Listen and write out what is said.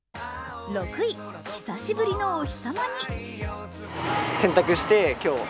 久しぶりのお日さまに。